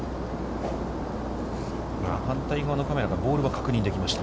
反対側のカメラからボールは確認できました。